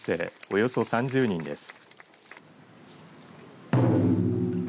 およそ３０人です。